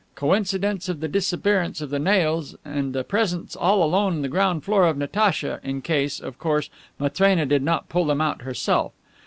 Coincidence of the disappearance of the nails and the presence all alone on the ground floor of Natacha, in case, of course, Matrena did not pull them out herself.